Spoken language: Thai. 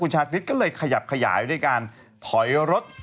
ชาคริสก็เลยขยับขยายด้วยการถอยรถ